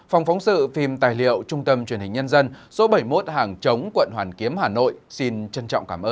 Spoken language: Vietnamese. phòng phóng sự phim tài liệu trung tâm truyền hình nhân dân số bảy mươi một hàng chống